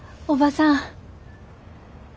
おばさん。